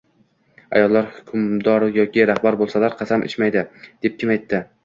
Ayollar hukmdor yoki rahbar bo'lsalar, qasam ichmaydi, deb kim aytdi?